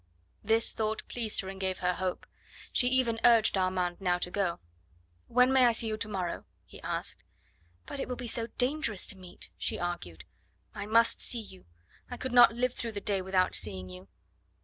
This thought pleased her and gave her hope. She even urged Armand now to go. "When may I see you to morrow?" he asked. "But it will be so dangerous to meet," she argued. "I must see you. I could not live through the day without seeing you."